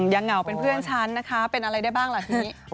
เหงาเป็นเพื่อนฉันนะคะเป็นอะไรได้บ้างล่ะทีนี้